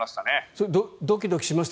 それはドキドキしました？